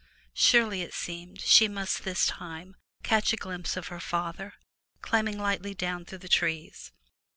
Surely, it seemed, she must this time catch a glimpse of her father, climbing lightly down through the trees.